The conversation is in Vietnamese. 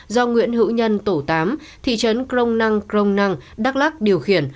do nguyễn hữu nhân tổ tám thị trấn crong năng crong năng đắk lắc điều khiển